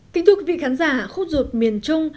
kính thưa quý vị khán giả khúc ruột miền trung